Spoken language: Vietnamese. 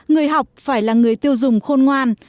người học phải là người tiêu dùng khôn ngoan